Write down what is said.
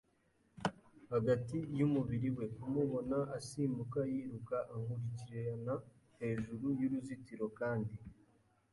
hagati y'umubiri we. Kumubona asimbuka yiruka ankurikirana hejuru y'uruzitiro kandi